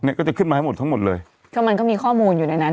ก็จะขึ้นมาให้หมดทั้งหมดเลยก็มันก็มีข้อมูลอยู่ในนั้น